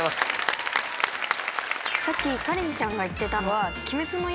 さっきかりんちゃんが言ってたのは。